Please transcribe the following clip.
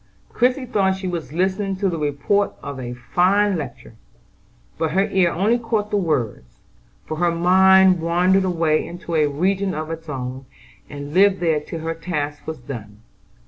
Christie thought she was listening to the report of a fine lecture; but her ear only caught the words, for her mind wandered away into a region of its own, and lived there till her task was done.